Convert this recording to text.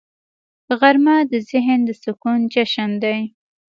غرمه د ذهن د سکون جشن دی